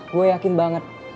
gue yakin banget